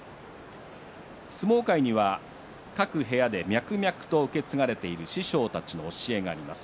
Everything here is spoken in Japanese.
相撲界には各部屋で脈々と受け継がれている師匠たちの教えがあります。